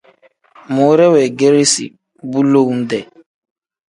Muure weegeresi bu lowu-dee.